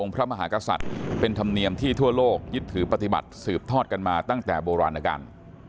พระมหากษัตริย์เป็นธรรมเนียมที่ทั่วโลกยึดถือปฏิบัติสืบทอดกันมาตั้งแต่โบราณการ